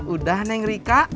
udah neng rika